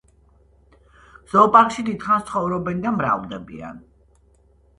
ზოოპარკში დიდხანს ცხოვრობენ და მრავლდებიან.